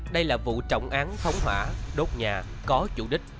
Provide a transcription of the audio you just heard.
đây là vụ trọng án phóng hỏa đốt nhà có chủ đích